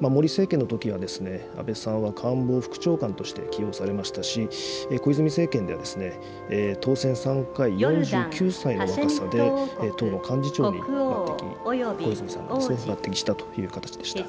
森政権のときは、安倍さんは官房副長官として起用されましたし、小泉政権では、当選３回４９歳の若さで、党の幹事長に抜てき、小泉さんですね、抜てきしたという形でした。